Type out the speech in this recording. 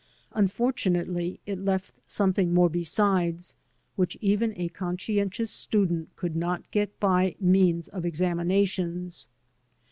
Unfortunately, it left something more besides, which even a conscientious student could not get by means of examinations.